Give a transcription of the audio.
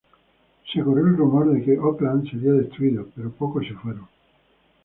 Se corrió el rumor de que Oakland sería destruido, pero pocos se fueron.